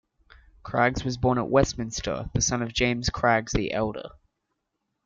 Craggs was born at Westminster, the son of James Craggs the Elder.